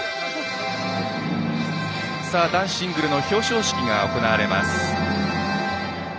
男子シングルの表彰式が行われます。